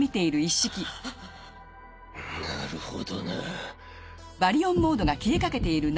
なるほどな。